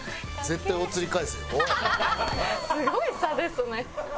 すごい差ですね。